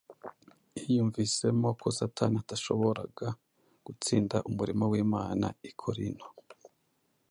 Yiyumvisemo ko Satani atashoboraga gutsinda umurimo w’Imana i Korinto,